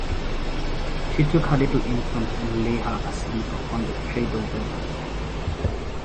She took her little infant and laid her asleep upon the cradle-bed.